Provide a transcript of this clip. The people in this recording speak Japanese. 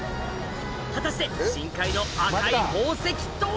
果たして深海の赤い宝石とは？